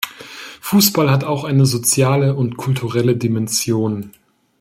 Fußball hat auch eine soziale und kulturelle Dimension.